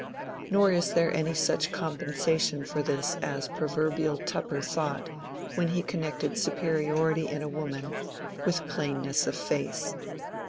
Nor is there any such compensa tion for this as proverbial Tupper thought when he connected superiority in a woman with plainness of face.